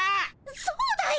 そうだよ。